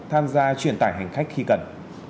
tham gia chuyển tải hành khách khi cần